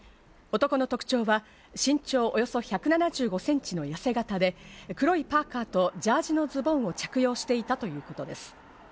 男の特徴は身長およそ１７５センチのやせ形で、黒いパーカとジャージーのズボンを着用していたということです。